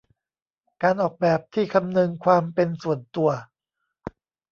การออกแบบที่คำนึงความเป็นส่วนตัว